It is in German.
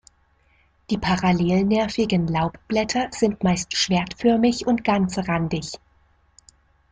Die parallelnervigen Laubblätter sind meist schwertförmig und ganzrandig.